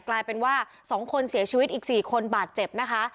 กลายเป็นว่า๒คนเสียชีวิตอีก๔คนบาดเจ็บนะคะ